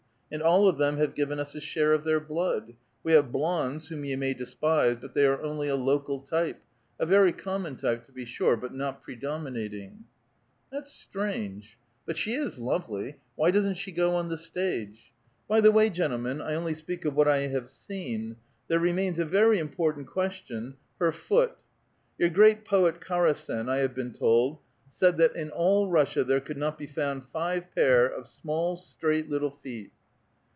" And all of them have given us a share of their blood. We have blondes, whom you may despise, but they are only a local type ; a very common type, to be sure, but not pre dominating." *' That's strange. But she is lovely. Why doesn't she go on the stage? By the way, gentlemen, I only speak of what I have seen. There remains a very important question, — her foot. Your great poet Karasen, I have been told, said that in all Russia there could not be found five pair of small, straight little feet."